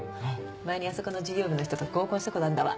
前にあそこの事業部の人と合コンしたことあんだわ。